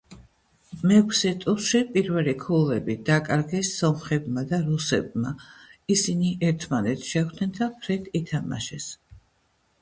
მეექვსე ტურში პირველი ქულები დაკარგეს სომხებმა და რუსებმა, ისინი ერთმანეთს შეხვდნენ და ფრედ ითამაშეს.